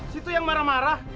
situ yang marah marah